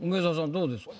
どうですか？